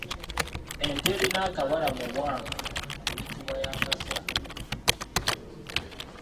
Ente erina akabala mu bwanga eyitibwa ya Kaasa.